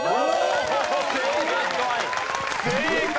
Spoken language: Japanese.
正解！